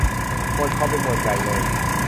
หมวดคอมเป็นหมวดใหญ่เลย !